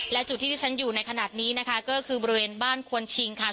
และจุดที่ที่ฉันอยู่ในขณะนี้นะคะก็คือบริเวณบ้านควนชิงค่ะ